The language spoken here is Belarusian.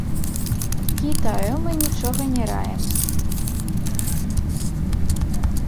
Кітаю мы нічога не раім.